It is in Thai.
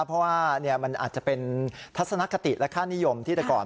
เพราะว่ามันอาจจะเป็นทัศนคติและค่านิยมที่แต่ก่อน